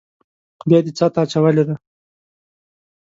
بيا دې څاه ته اچولې ده.